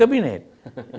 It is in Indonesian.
sekarang di p tiga di situ